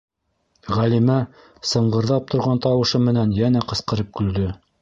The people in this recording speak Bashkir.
- Ғәлимә сыңғырҙап торған тауышы менән йәнә ҡысҡырып көлдө.